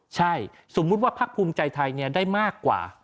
ใช่สมมุติว่าพักภูมิใจไทยได้มากกว่า